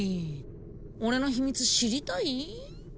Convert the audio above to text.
俺の秘密知りたい？